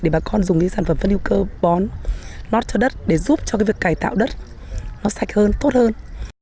để bà con dùng cái sản phẩm phân hữu cơ bón nót cho đất để giúp cho cái việc cải tạo đất nó sạch hơn tốt hơn